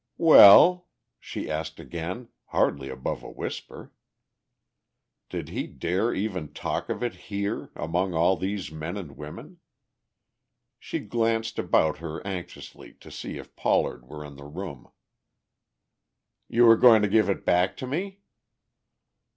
"Well?" she asked again, hardly above a whisper. Did he dare even talk of it here, among all these men and women? She glanced about her anxiously to see if Pollard were in the room. "You are going to give it back to me?"